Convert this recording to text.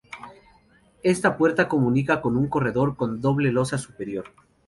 Esta puerta comunica con un corredor con doble losa superior.